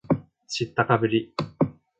知ったかぶり